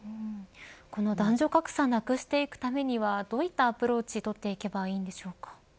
この男女格差なくしていくためにはどういったアプローチ取っていけばいいんでしょうか。